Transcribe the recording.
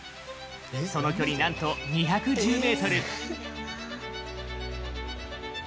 その距離なんと２１０ｍ。